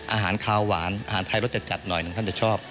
อาหารคาวหวานอาหารไทยรสจัดหน่อยหนึ่งท่านจะชอบ